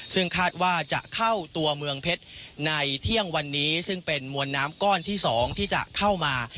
ซึ่งคาดว่าจะเข้าตัวเมืองเพชรในเที่ยงวันนี้ซึ่งเป็นมวลน้ำก้อนที่๒ที่จะเข้ามา